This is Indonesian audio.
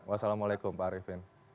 wassalamualaikum pak arifin